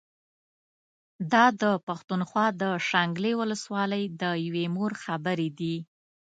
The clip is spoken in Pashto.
دا د پښتونخوا د شانګلې ولسوالۍ د يوې مور خبرې دي